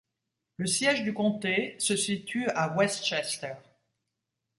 Le siège du comté se situe à West Chester.